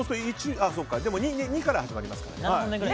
２から始まりますから。